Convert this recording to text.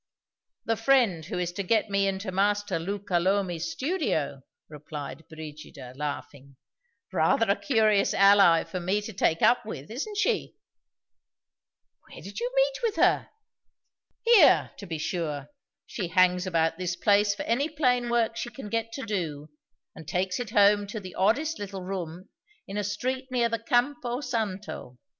"The friend who is to get me into Master Luca Lomi's studio," replied Brigida, laughing. "Rather a curious ally for me to take up with, isn't she?" "Where did you meet with her?" "Here, to be sure; she hangs about this place for any plain work she can get to do, and takes it home to the oddest little room in a street near the Campo Santo.